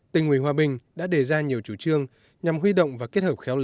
tình huy hòa bình đã đề ra nhiều chủ trương nhằm huy động và kết hợp khéo lệch